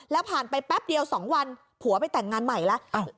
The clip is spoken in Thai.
แล้วผ่านไปแป๊บเดียว๒วันผัวไปแต่งงานใหม่แล้ว